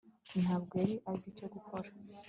ntabwo yari azi icyo gukora